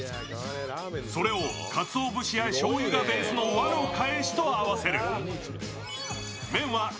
それをかつお節やしょうゆがベースの和の返しと合わせる。